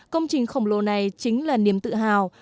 công trình khổng lồ này chính là niềm tự hào